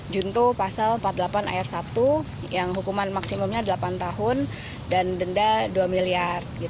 juntuh pasal empat puluh delapan ayat satu yang hukuman maksimumnya delapan tahun dan denda dua miliar